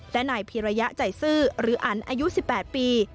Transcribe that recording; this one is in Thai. และนายพีรยะใจซื่อหรืออันอายุ๑๘ปี